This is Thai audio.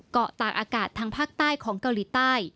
เกาะตากอากาศทางภาคใต้ของเกาหลีใต้